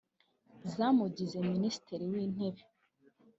zamugize Minisitiri w’Intebe